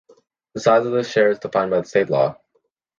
The size of this share is defined by the state law.